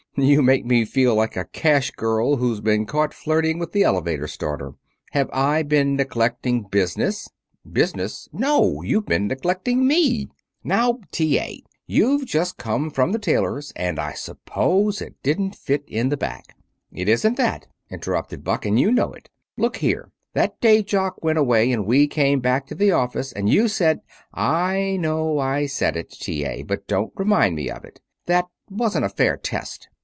"You make me feel like a cash girl who's been caught flirting with the elevator starter. Have I been neglecting business?" "Business? No; you've been neglecting me!" "Now, T. A., you've just come from the tailor's, and I suppose it didn't fit in the back." "It isn't that," interrupted Buck, "and you know it. Look here! That day Jock went away and we came back to the office, and you said " "I know I said it, T. A., but don't remind me of it. That wasn't a fair test.